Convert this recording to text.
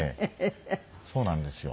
そうなんですよ。